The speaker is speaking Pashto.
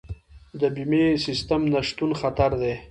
د بیمې سیستم نشتون خطر دی.